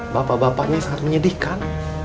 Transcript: bapak bapaknya sangat menyedihkan